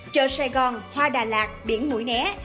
chợ sài gòn hoa đà lạt biển mũi né